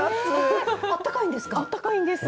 あったかいんです。